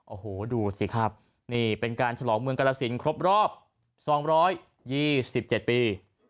โอ้โหดูสิครับนี่เป็นการฉลองเมืองกรสินส์ครบรอบสองร้อยยี่สิบเจ็ดปี